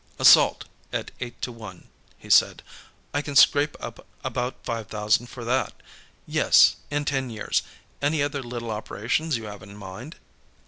"Assault, at eight to one," he said. "I can scrape up about five thousand for that Yes; in ten years Any other little operations you have in mind?"